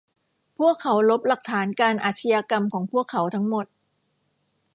พวกเขาลบหลักฐานการอาชญากรรมของพวกเขาทั้งหมด